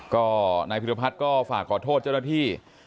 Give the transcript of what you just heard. ก็นายพิรพัฒน์ก็ฝากขอโทษเจ้าหน้าที่